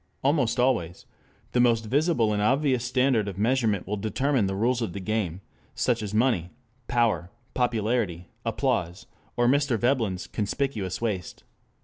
Almost always the most visible and obvious standard of measurement will determine the rules of the game: such as money, power, popularity, applause, or Mr. Veblen's "conspicuous waste."